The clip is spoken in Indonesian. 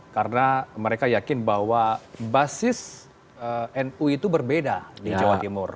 karena mereka yakin bahwa basis nu itu berbeda di jawa timur